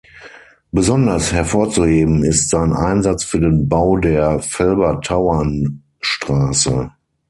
Besonders hervorzuheben ist sein Einsatz für den Bau der Felbertauernstraße.